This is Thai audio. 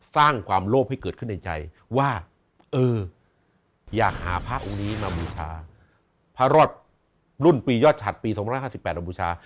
สร้างความโลภให้เกิดขึ้นในใจว่าเอออยากหาพระองค์นี้มาบูชาพระรอดรุ่นปียอดฉัดปี๒๕๘มาบูชา